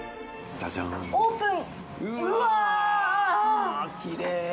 オープン！